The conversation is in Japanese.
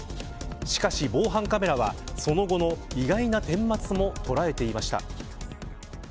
しかし、防犯カメラはその後の意外なてん末も捉えていました。